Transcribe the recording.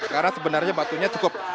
karena sebenarnya batunya cukup